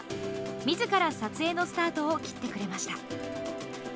みずから撮影のスタートを切ってくれました。